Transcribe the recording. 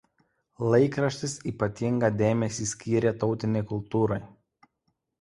Laikraštis ypatingą dėmesį skyrė tautinei kultūrai.